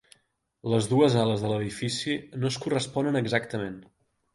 Les dues ales de l'edifici no es corresponen exactament.